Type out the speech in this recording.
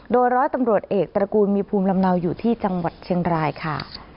โดยร้อยตำรวจเอกตระกูลมีภูมิลำเนาอยู่ที่จังหวัดเชียงรายค่ะ